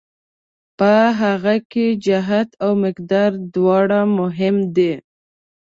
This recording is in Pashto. په هغه کې جهت او مقدار دواړه مهم دي.